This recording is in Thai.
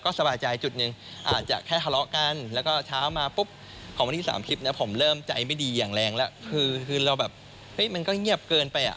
คือเราแบบเฮ้มันก็เงียบเกินไปอะ